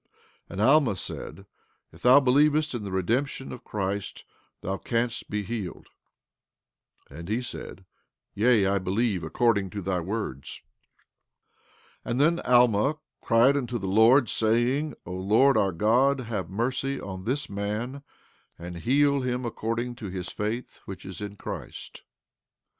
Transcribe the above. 15:8 And Alma said: If thou believest in the redemption of Christ thou canst be healed. 15:9 And he said: Yea, I believe according to thy words. 15:10 And then Alma cried unto the Lord, saying: O Lord our God, have mercy on this man, and heal him according to his faith which is in Christ.